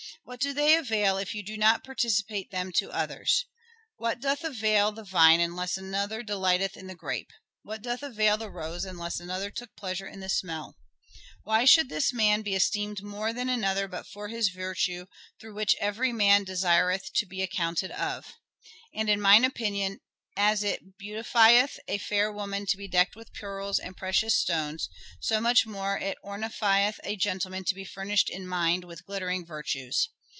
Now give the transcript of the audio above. What do they avail if you do not participate them to others ?... What doth avail the vine unless another delighteth in the grape ? What doth avail the rose unless another took pleasure in the smell ?.... "Why should this man be esteemed more than another but for his virtue, through which every man desireth to be accounted of ?..." And in mine opinion as it beautifyeth a fair woman to be decked with pearls and precious stones, so much 166 " SHAKESPEARE " IDENTIFIED more it ornifyeth a gentleman to be furnished in mind with glittering virtues.